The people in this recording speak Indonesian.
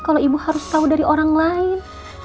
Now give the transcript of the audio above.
kalau ibu harus tahu dari orang lain